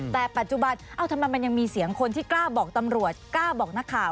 แต่ปัจจุบันเอ้าทำไมมันยังมีเสียงคนที่กล้าบอกตำรวจกล้าบอกนักข่าว